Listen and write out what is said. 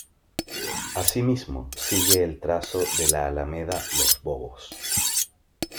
Asimismo, sigue el trazo de la alameda Los Bobos.